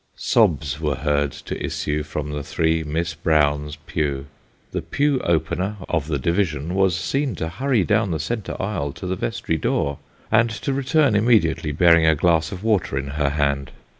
Sobs were heard to issue from the three Miss Browns' pew ; the pew opener of the division was seen to hurry down the centre aisle to the vestry door, and to return immediately, bearing a glass of water in her hand.